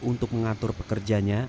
untuk mengatur pekerjanya